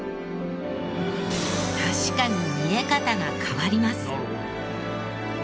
確かに見え方が変わります。